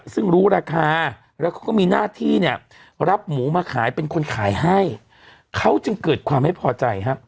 ซึ่งรู้ราคาแล้วเขาก็มีหน้าที่เนี่ยรับหมูมาขายเป็นคนขายให้เขาจึงเกิดความไม่พอใจฮะ